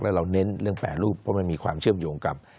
แล้วเราเน้นเรื่องแปรรูปเพราะมันมีความเชื่อมโยงกับ